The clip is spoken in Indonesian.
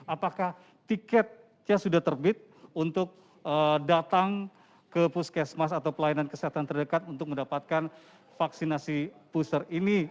apakah tiketnya sudah terbit untuk datang ke puskesmas atau pelayanan kesehatan terdekat untuk mendapatkan vaksinasi booster ini